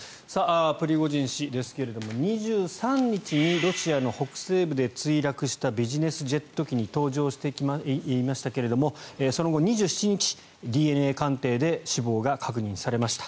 プリゴジン氏ですが２３日にロシアの北西部で墜落したビジネスジェット機に搭乗していましたがその後、２７日、ＤＮＡ鑑定で死亡が確認されました。